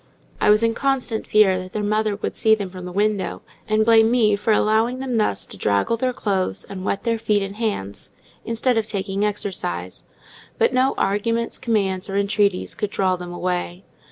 I was in constant fear that their mother would see them from the window, and blame me for allowing them thus to draggle their clothes and wet their feet and hands, instead of taking exercise; but no arguments, commands, or entreaties could draw them away.